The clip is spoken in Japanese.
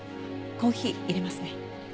コーヒー入れますね。